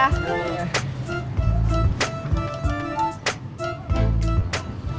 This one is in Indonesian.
masih pak ya